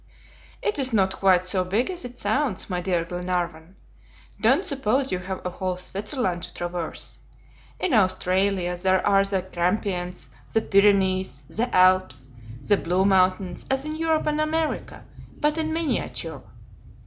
"It is not quite so big as it sounds, my dear Glenarvan. Don't suppose you have a whole Switzerland to traverse. In Australia there are the Grampians, the Pyrenees, the Alps, the Blue Mountains, as in Europe and America, but in miniature.